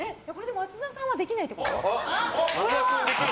松田さんはできないってこと？